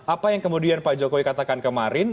apa yang kemudian pak jokowi katakan kemarin